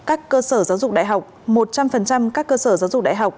các cơ sở giáo dục đại học một trăm linh các cơ sở giáo dục đại học